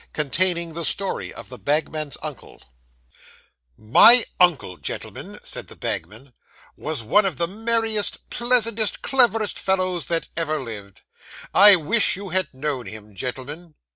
CONTAINING THE STORY OF THE BAGMAN'S UNCLE My uncle, gentlemen,' said the bagman, 'was one of the merriest, pleasantest, cleverest fellows, that ever lived. I wish you had known him, gentlemen.